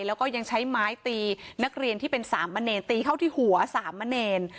แล้วก็ยังใช้ไม้ตีนักเรียนที่เป็นสามมะเนรตีเข้าที่หัวสามมะเนร